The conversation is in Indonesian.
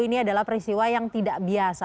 ini adalah peristiwa yang tidak biasa